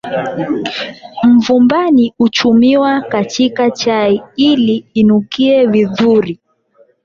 Mvumbani huchumiwa kachika chai ili inukie vidhuri